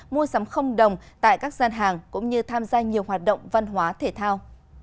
mua sắm không đồng tại các gian hàng cũng như tham gia nhiều hoạt động văn hóa thể thao